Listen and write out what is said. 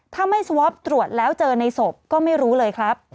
ถ้าไม่สวอปตรวจแล้วเจอในศพก็ไม่รู้เลยครับ